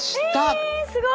えすごい！